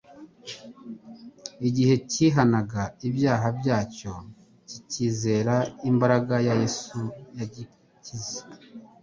Igihe cyihanaga ibyaha byacyo kikizera imbaraga ya Yesu yagikiza,